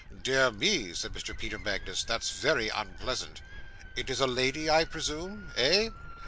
'Dear me,' said Mr. Peter Magnus, 'that's very unpleasant. It is a lady, I presume? Eh?